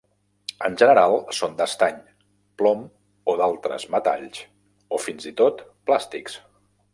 En general són d'estany, plom, o d'altres metalls o fins i tot plàstics.